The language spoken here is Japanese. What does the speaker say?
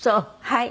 はい。